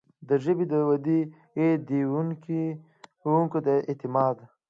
د ژبې د ودې، د ویونکو د اعتماد